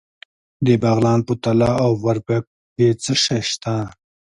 د بغلان په تاله او برفک کې څه شی شته؟